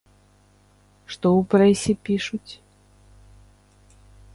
Што ў прэсе пішуць?